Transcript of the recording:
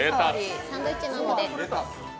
サンドイッチなので。